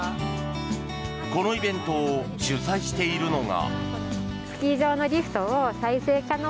このイベントを主催しているのが。